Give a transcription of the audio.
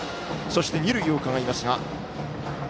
そして、二塁をうかがいますが。